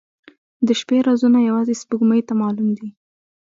• د شپې رازونه یوازې سپوږمۍ ته معلوم دي.